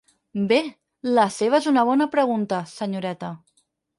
Bé, la seva és una bona pregunta, senyoreta.